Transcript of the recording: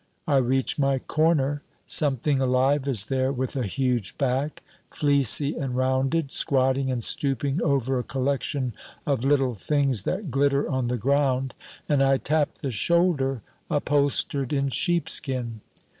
I reach my corner. Something alive is there with a huge back, fleecy and rounded, squatting and stooping over a collection of little things that glitter on the ground, and I tap the shoulder upholstered in sheepskin.